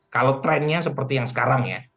kalau trendnya seperti yang sekarang ya